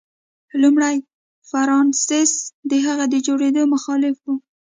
لومړي فرانسیس د هغې د جوړېدو مخالف و.